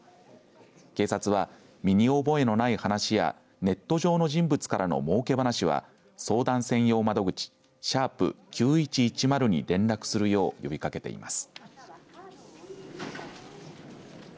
警察は身に覚えのない話やネット上の人物からの儲け話は相談専用窓口、＃９１１０に連絡するよう呼びかけています。